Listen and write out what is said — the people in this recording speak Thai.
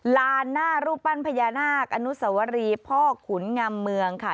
ลานหน้ารูปปั้นพญานาคอนุสวรีพ่อขุนงำเมืองค่ะ